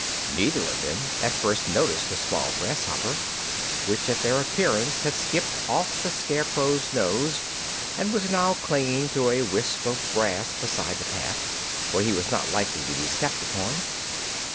Neither of them at first noticed the small grasshopper, which at their appearance had skipped off the Scarecrow's nose and was now clinging to a wisp of grass beside the path, where he was not likely to be stepped upon.